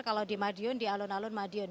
kalau di madiun di alun alun madiun